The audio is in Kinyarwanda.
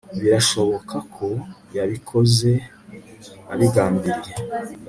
Birashoboka ko yabikoze abigambiriye